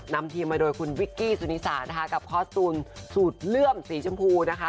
นำทีมมาโดยคุณวิกกี้สุนิสานะคะกับคอสตูนสูตรเลื่อมสีชมพูนะคะ